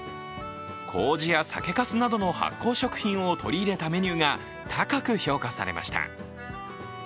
こうじや酒かすなどの発酵食品を取り入れたメニューが高く評価されました。